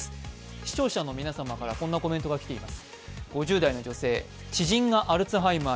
視聴者の皆様からこんなコメントが来ています。